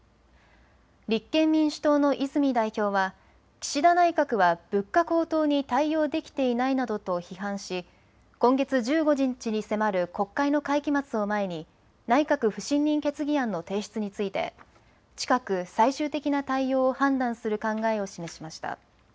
立憲民主党の泉代表は岸田内閣は物価高騰に対応できていないなどと批判し今月１５日に迫る国会の会期末を前に内閣不信任決議案の提出について近く最終的な対応を判断する考えを示しました。